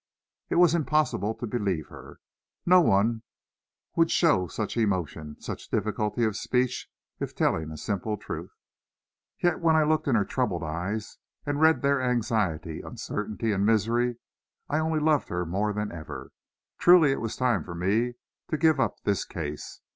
It was impossible to believe her. No one would show such emotion, such difficulty of speech, if telling a simple truth. Yet when I looked in her troubled eyes, and read there anxiety, uncertainty, and misery, I only loved her more than ever. Truly it was time for me to give up this case.